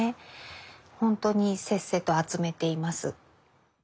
ほんとにせっせと集めています。